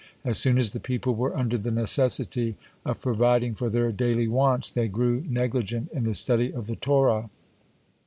(17) As soon as the people were under the necessity of providing for their daily wants, they grew negligent in the study of the Torah.